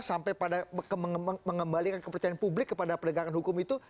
sampai pada mengembalikan kepercayaan publik kepada penegakan hukum itu